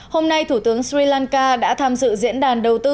hôm nay thủ tướng sri lanka đã tham dự diễn đàn đầu tư